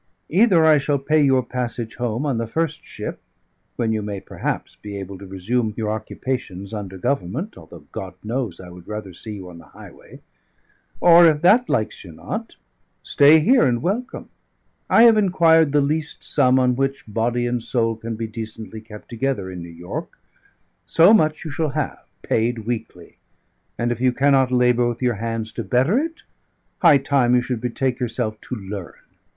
Either I shall pay your passage home on the first ship, when you may perhaps be able to resume your occupations under Government, although God knows I would rather see you on the highway! Or, if that likes you not, stay here and welcome! I have inquired the least sum on which body and soul can be decently kept together in New York; so much you shall have, paid weekly; and if you cannot labour with your hands to better it, high time you should betake yourself to learn.